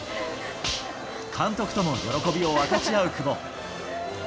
監督とも喜びを分かち合う久保。